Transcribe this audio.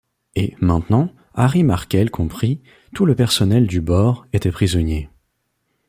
Et, maintenant, Harry Markel compris, tout le personnel du bord était prisonnier.